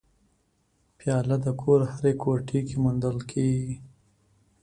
پیاله د کور هرې کوټې کې موندل کېږي.